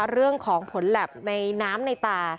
เรื่องของผลแหลบในน้ำในตา